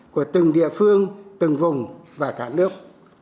của từng địa phương từng vùng và cả nước